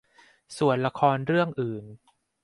ส่วนละครเรื่องอื่น